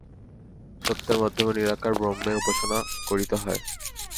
সত্যের মাধ্যমে নিরাকার ব্রহ্মের উপাসনা করিতে হয়।